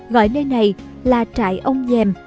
gọi nơi này là trại ông giềm